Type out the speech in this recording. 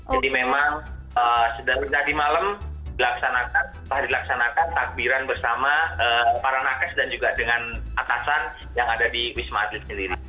jadi memang sedangkan tadi malam dilaksanakan takbiran bersama para nafas dan juga dengan atasan yang ada di wisma atlet sendiri